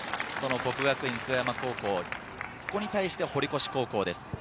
國學院久我山高校、そこに対して堀越高校です。